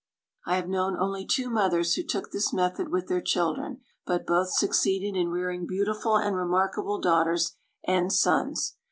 I have known only two mothers who took this method with their children, but both succeeded in rearing beautiful and remarkable daughters and sons.